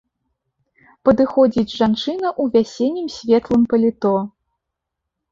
Падыходзіць жанчына ў вясеннім светлым паліто.